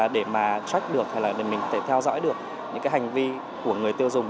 để mà check được hay là để mình có thể theo dõi được những cái hành vi của người tiêu dùng